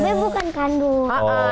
tapi bukan kandung